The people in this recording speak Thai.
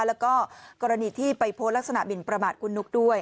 แล้วก็กรณีที่ไปโพสต์ลักษณะหมินประมาทคุณนุ๊กด้วย